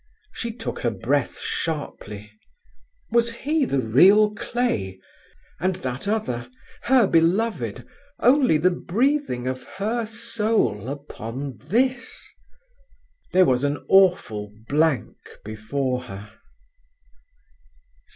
She took her breath sharply. Was he the real clay, and that other, her beloved, only the breathing of her soul upon this. There was an awful blank before her.